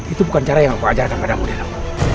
itu bukan cara yang aku ajarkan padamu denok